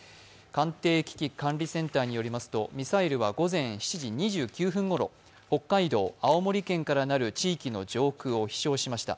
官邸危機管理センターによりますと、ミサイルは午前７時２９分ごろ北海道、青森県からなる地域の上空を飛翔しました。